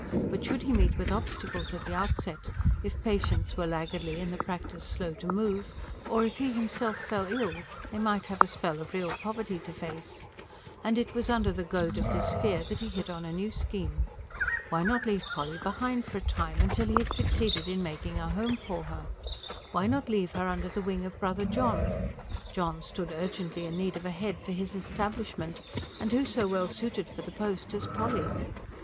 But should he meet with obstacles at the outset: if patients were laggardly and the practice slow to move, or if he himself fell ill, they might have a spell of real poverty to face. And it was under the goad of this fear that he hit on a new scheme. Why not leave Polly behind for a time, until he had succeeded in making a home for her? why not leave her under the wing of brother John? John stood urgently in need of a head for his establishment, and who so well suited for the post as Polly?